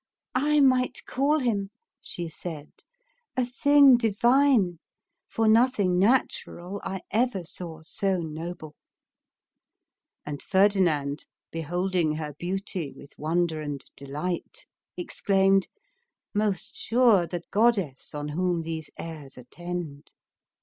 'T might call him," she said, "a thing divine, for nothing natural I ever saw so noble!" And Ferdinand, beholding her beauty with wonder and delight, exclaimed — "Most sure the goddess on whom these airs attend